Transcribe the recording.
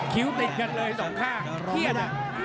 คิ้วติดกันเลยสองข้างเครียด